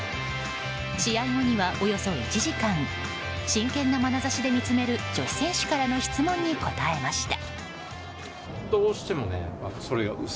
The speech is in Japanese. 試合後には、およそ１時間真剣なまなざしで見つめる女子選手からの質問に答えました。